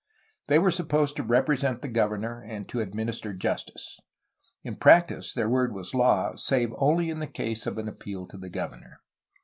They were supposed to represent the governor and to administer justice. In practice their word was law, save only in the case of an appeal to the governor.